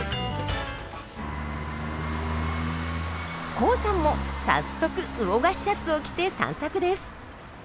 コウさんも早速魚河岸シャツを着て散策です。